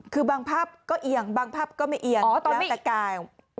คือบางภาพก็เอียงบางภาพก็ไม่เอียงแล้วแต่กาย